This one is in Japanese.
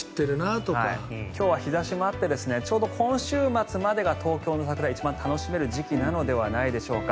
今日は日差しもあってちょうど今週末までが東京の桜、一番楽しめる時期なのではないでしょうか。